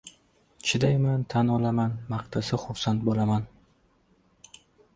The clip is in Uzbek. Chidayman, tan olaman, maqtasa xursand bo‘laman